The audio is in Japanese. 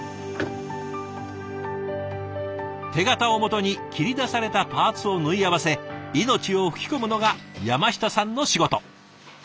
手形をもとに切り出されたパーツを縫い合わせ命を吹き込むのが山下さんの仕事。